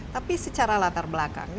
tapi secara latar belakang